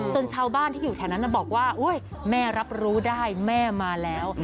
ชาวบ้านที่อยู่แถวนั้นบอกว่าโอ๊ยแม่รับรู้ได้แม่มาแล้ว